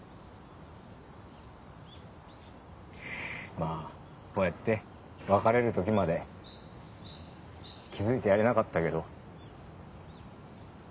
まぁこうやって別れる時まで気付いてやれなかったけど。